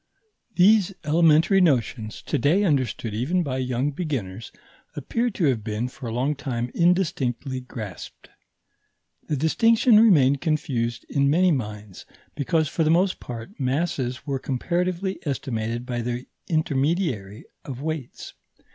These elementary notions, to day understood even by young beginners, appear to have been for a long time indistinctly grasped. The distinction remained confused in many minds, because, for the most part, masses were comparatively estimated by the intermediary of weights.